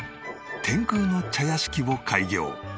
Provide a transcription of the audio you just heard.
天空の茶屋敷を開業。